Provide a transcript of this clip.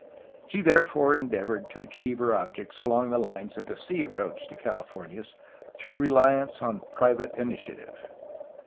She therefore endeavored to achieve her objects along the lines of the sea approach to the Cali fornias through reliance upon private initiative.